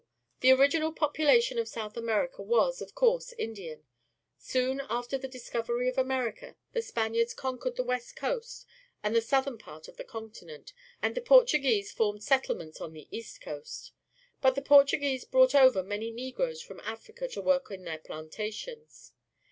— The original population of South .Ajiierica was, of course, I ndian . Soon after the discoveiy of America, the Spaniards conquered the west coast and the southern part of the continent, and the PQrtuguesa formed settlements on the east coast. Then the Portuguese brought over many_Nfigroee from Africa to work in their plantations.